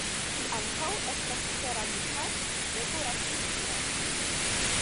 Ŝi ankaŭ estas ceramika dekoraciistino.